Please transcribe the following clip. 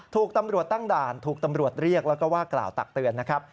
ถูกตำรวจตั้งด่านถูกตำรวจเรียกแล้วก็ว่ากล่าวตักเตือนนะครับ